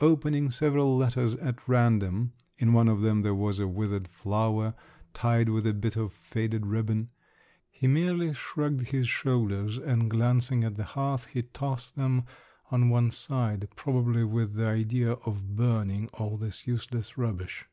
Opening several letters at random (in one of them there was a withered flower tied with a bit of faded ribbon), he merely shrugged his shoulders, and glancing at the hearth, he tossed them on one side, probably with the idea of burning all this useless rubbish.